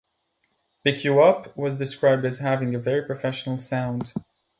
"Pick You Up" was described as having a "very professional sound".